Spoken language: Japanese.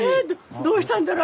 どうしたんだろう？